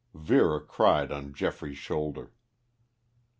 Vera cried on Geoffrey's shoulder.